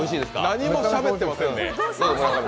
何もしゃべってませんね。